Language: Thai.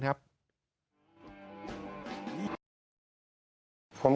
นะครับ